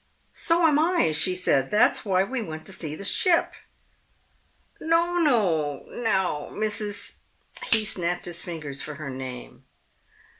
"So am I!" she said. "That's why we want to see the ship!" "No, no, now, Mrs. " He snapped his fingers for her name.